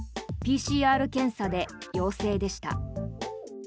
ＰＣＲ検査で陽性でした。